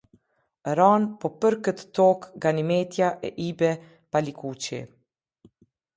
Ranë po për këtë tokë Ganimetja e lbe Palikuqi.